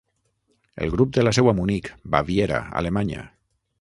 El grup té la seu a Munic, Baviera, Alemanya.